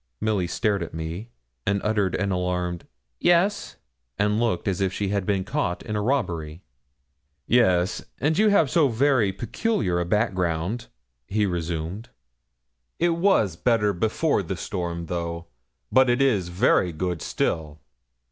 Milly stared at me, and uttered an alarmed 'Yes,' and looked as if she had been caught in a robbery. 'Yes, and you have so very peculiar a background,' he resumed. 'It was better before the storm though; but it is very good still.'